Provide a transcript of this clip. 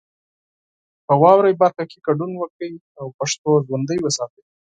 په واورئ برخه کې ګډون وکړئ او پښتو ژوندۍ وساتئ.